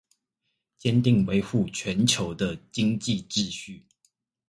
堅定維護全球的經濟秩序